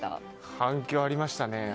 反響ありましたね。